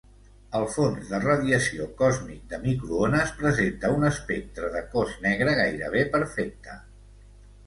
El fons de radiació còsmic de microones presenta un espectre de cos negre gairebé perfecte.